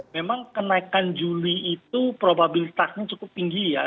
memang kenaikan juli itu probabilitasnya cukup tinggi ya